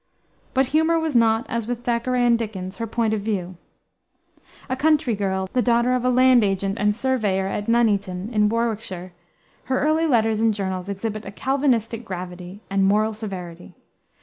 But humor was not, as with Thackeray and Dickens, her point of view. A country girl, the daughter of a land agent and surveyor at Nuneaton, in Warwickshire, her early letters and journals exhibit a Calvinistic gravity and moral severity.